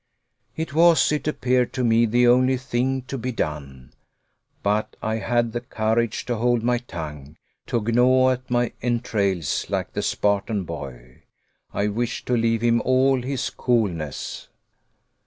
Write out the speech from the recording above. It was, it appeared to me, the only thing to be done. But I had the courage to hold my tongue, to gnaw at my entrails like the Spartan boy. I wished to leave him all his coolness.